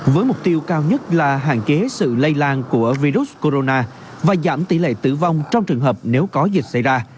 với mục tiêu cao nhất là hạn chế sự lây lan của virus corona và giảm tỷ lệ tử vong trong trường hợp nếu có dịch xảy ra